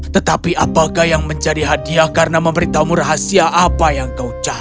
tetapi apakah yang menjadi hadiah karena memberitamu rahasia apa yang kau cari